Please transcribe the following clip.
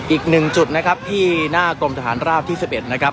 อีกหนึ่งจุดนะครับที่หน้ากรมทหารราบที่๑๑นะครับ